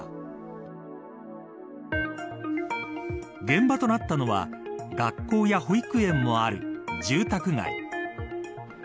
現場となったのは学校や保育園もある住宅街。